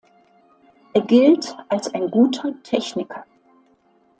Er gilt als ein guter Techniker.